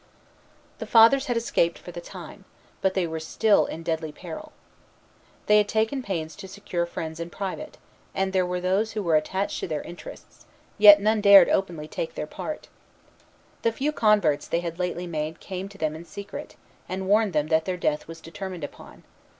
The Fathers had escaped for the time; but they were still in deadly peril. They had taken pains to secure friends in private, and there were those who were attached to their interests; yet none dared openly take their part. The few converts they had lately made came to them in secret, and warned them that their death was determined upon.